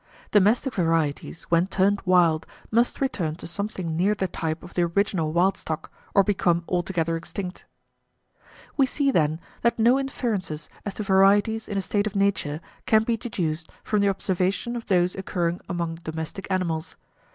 Domestic varieties, when turned wild, must return to something near the type of the original wild stock, or become altogether extinct.3 [[p. 61]] We see, then, that no inferences as to varieties in a state of nature can be deduced from the observation of those occurring among domestic animals.